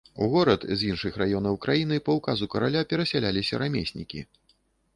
У горад з іншых раёнаў краіны па ўказу караля перасяляліся рамеснікі.